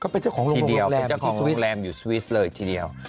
ไปเจ้าของโรงแรมอยู่สวิชเลยทีเดียว